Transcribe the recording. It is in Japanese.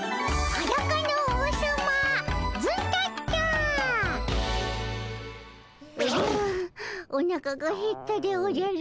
おじゃおなかがへったでおじゃる。